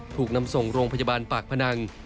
ถูกนำส่งโรงพยาบาลปากพนัง